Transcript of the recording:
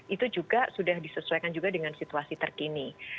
itu juga sudah disesuaikan juga dengan situasi terkini